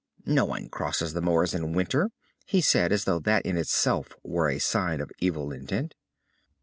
"No one crosses the moors in winter," he said, as though that in itself were a sign of evil intent.